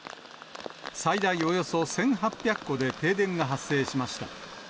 最大およそ１８００戸で停電が発生しました。